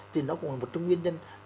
thì nó cũng là một trong nguyên nhân